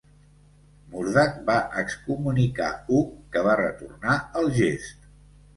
Murdac va excomunicar Hugh, que va retornar el gest.